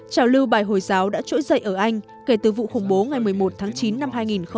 trào lưu bài hồi giáo đã trỗi dậy ở anh kể từ vụ khủng bố ngày một mươi một tháng chín năm hai nghìn một mươi ba